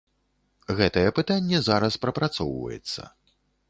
Гэтае пытанне зараз прапрацоўваецца.